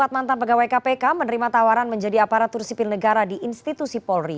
empat mantan pegawai kpk menerima tawaran menjadi aparatur sipil negara di institusi polri